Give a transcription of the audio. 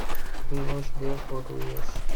He was there for two years.